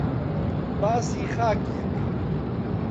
باسی خاکێک